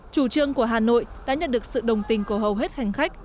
chủ trương của hà nội đã nhận được sự đồng tình của hầu hết hành khách